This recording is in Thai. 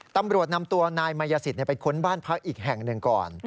ตำรวจนำตัวนายมายสิทธิ์ไปค้นบ้านพักอีกแห่งหนึ่งก่อน